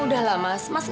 udah lah mas mas mau aja ya